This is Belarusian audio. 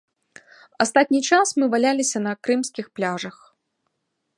Астатні час мы валяліся на крымскіх пляжах.